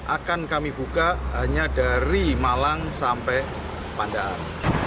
akan kami buka hanya dari malang sampai pandaan